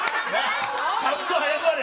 ちゃんと謝れ。